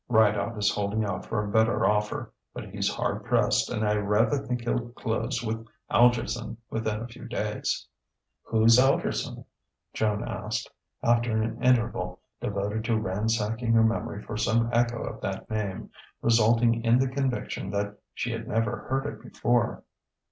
Rideout is holding out for a better offer, but he's hard pressed, and I rather think he'll close with Algerson within a few days." "Who's Algerson?" Joan asked, after an interval devoted to ransacking her memory for some echo of that name; resulting in the conviction that she had never heard it before.